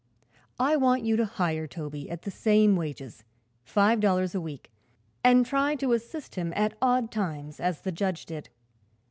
I want you to hire Toby at the same wages five dollars a week and try to assist him at odd times as the judge did.